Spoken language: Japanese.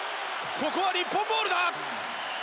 ここは日本ボールだ！